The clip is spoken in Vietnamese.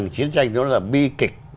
chiến tranh nó là bi kịch